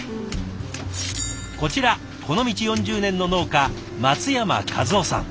こちらこの道４０年の農家松山一男さん。